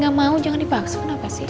gak mau jangan dipaksa kenapa sih